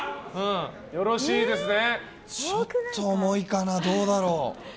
ちょっと重いかな、どうだろう。